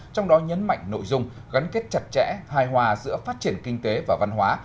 trong đó nhấn mạnh nội dung gắn kết chặt chẽ hài hòa giữa phát triển kinh tế và văn hóa